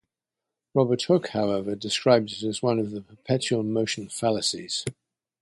Robert Hooke, however, described it as one of the perpetual motion fallacies.